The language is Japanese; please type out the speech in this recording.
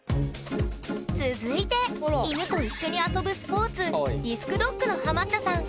続いて犬と一緒に遊ぶスポーツディスクドッグのハマったさん